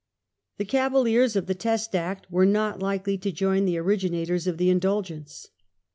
The Cavaliers of the Test Act were not likely to join the originators of the Indulgence.